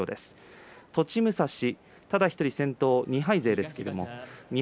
栃武蔵、ただ１人先頭２敗です。